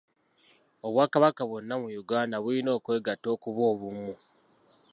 Obwakabaka bwonna mu Uganda bulina okwegatta okuba obumu.